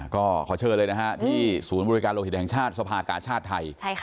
ก็ขอเชิญเลยที่ศูนย์โลหิตแห่งชาติสภาคารชาติไทย